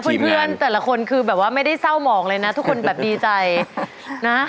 เพื่อนแต่ละคนคือแบบว่าไม่ได้เศร้าหมองเลยนะทุกคนแบบดีใจนะ